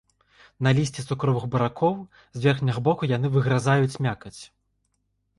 На лісці цукровых буракоў з верхняга боку яны выгрызаюць мякаць.